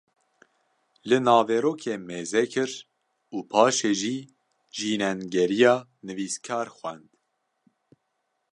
li naverokê mêzekir û paşê jî jînengeriya nivîskar xwend